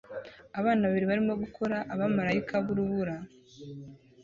Abana babiri barimo gukora abamarayika b'urubura